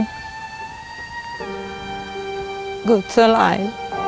เกิดสลาย